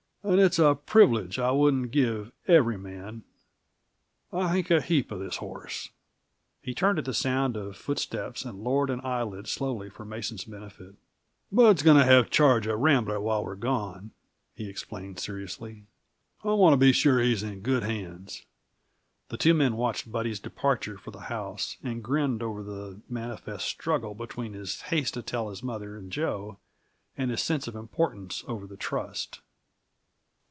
And it's a privilege I wouldn't give every man. I think a heap of this horse." He turned at the sound of footsteps, and lowered an eyelid slowly for Mason's benefit. "Bud's going to have charge of Rambler while we're gone," he explained seriously. "I want to be sure he's in good hands." The two men watched Buddy's departure for the house, and grinned over the manifest struggle between his haste to tell his mother and Jo, and his sense of importance over the trust.